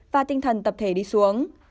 và tinh thần tập thể đi xuống